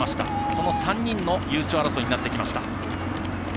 この３人の優勝争いになってきました。